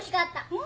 うん。